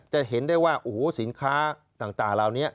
จะเห็นได้ว่าสินค้าต่างราวนี้